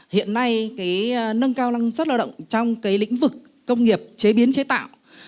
hiện nay nâng cao năng suất lao động trong lĩnh vực công nghiệp chế biến chế tạo